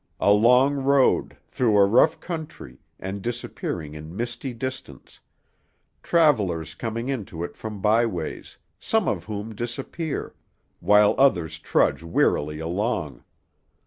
A long road, through a rough country, and disappearing in misty distance; travellers coming into it from by ways, some of whom disappear, while others trudge wearily along.